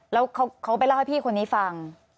แล้วเขาไปเล่าให้พี่คนนี้ฟัง